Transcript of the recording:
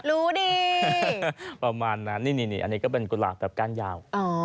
รู้ดีประมาณนั้นนี่อันนี้ก็เป็นกุหลาบแบบก้านยาว